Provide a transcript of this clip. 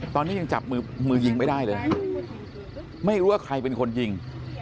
ตอนนี้ยังจับมือมือยิงไม่ได้เลยไม่รู้ว่าใครเป็นคนยิง